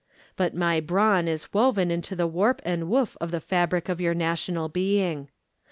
But my brawn is woven into the warp and woof of the fabric of your national being.